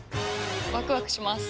ワクワクします。